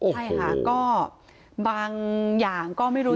ใช่ค่ะก็บางอย่างก็ไม่รู้